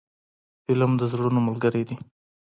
فلم د زړونو ملګری دی